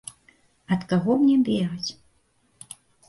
Ад каго мне бегаць?